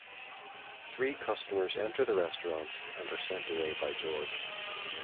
Three customers enter the restaurant and are sent away by George.